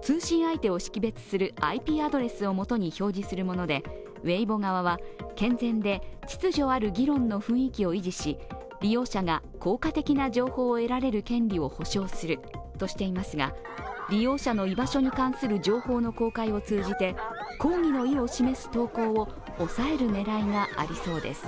通信相手を識別するＩＰアドレスをもとに表示するもので、Ｗｅｉｂｏ側は健全で秩序ある議論を維持し、利用者が効果的な情報を得られる権利を保障するとしていますが利用者の居場所に関する情報の公開を通じて抗議の意を抑える狙いがありそうです。